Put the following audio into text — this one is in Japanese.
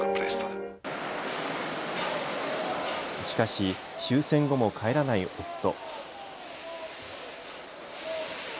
しかし、終戦後も帰らない夫。